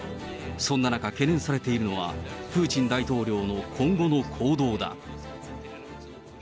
そんな中、懸念されているのは、プーチン大統領の今後の行動だ。